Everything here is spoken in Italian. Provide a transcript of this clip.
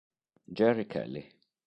Jerry Kelly